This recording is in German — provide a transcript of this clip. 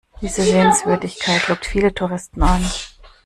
Diese Sehenswürdigkeit lockt viele Touristen an.